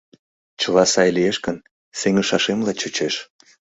Чыла сай лиеш гын, сеҥышашемла чучеш.